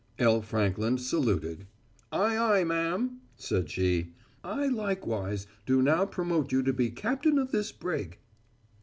L. Frankland saluted. "Aye, aye, ma'am," said she. "I likewise do now promote you to be captain of this brig."